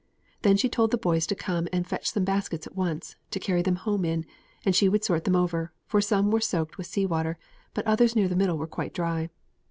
Then she told the boys to come and fetch some baskets at once, to carry them home in, and she would sort them over, for some were soaked with sea water, but others near the middle were quite dry.